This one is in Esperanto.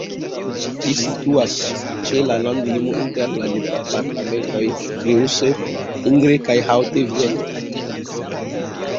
Ĝi situas ĉe la landlimo inter la departementoj Creuse, Indre kaj Haute-Vienne.